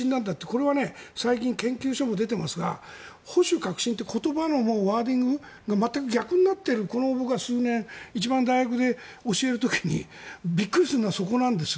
これは最近研究書も出ていますが保守革新という言葉のワーディングが全く逆になっている僕はここ数年で大学で教える時にびっくりするのはそこなんです。